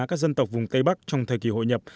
các dân tộc vùng tây bắc trong thời kỳ hội nhập